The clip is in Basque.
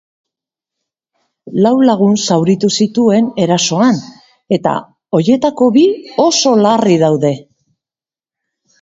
Lau lagun zauritu zituen erasoan, eta horietako bi oso larri daude.